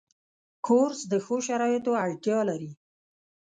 کورس د ښو شرایطو اړتیا لري.